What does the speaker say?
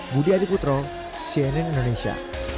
budi adikutro cnn indonesia